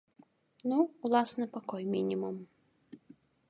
Ну, уласны пакой мінімум.